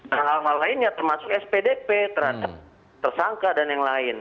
dan hal hal lainnya termasuk spdp tersangka dan yang lain